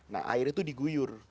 nah air itu diguyur